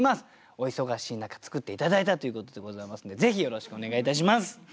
お忙しい中作って頂いたということでございますのでぜひよろしくお願いいたします。